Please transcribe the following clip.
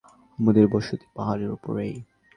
আমাদের বসতি পাহাড়ের ওপারেই।